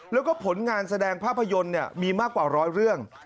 แล้วก็ผลงานแสดงภาพยนตร์มีมากกว่าร้อยเรื่อง